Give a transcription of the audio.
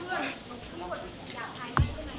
เพื่อนมันพูดอยากหายไปใช่ไหม